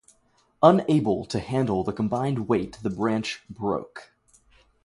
Unable to handle the combined weight the branch broke.